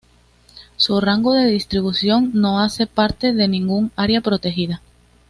Su rango de distribución no hace parte de ningún área protegida.